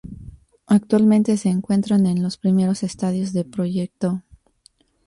Actualmente se encuentra en los primeros estadios de proyecto.